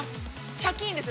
シャキンです。